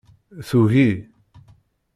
Tugi.